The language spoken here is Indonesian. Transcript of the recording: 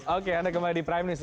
oke anda kembali di prime news